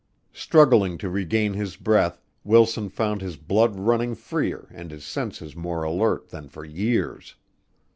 Struggling to regain his breath, Wilson found his blood running freer and his senses more alert than for years.